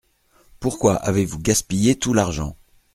Pourquoi avez-vous gaspillé tout l’argent ?